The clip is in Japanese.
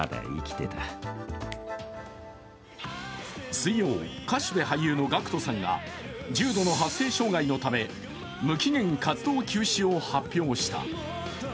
水曜、歌手で俳優のＧＡＣＫＴさんが重度の発声障害のため無期限活動休止を発表した。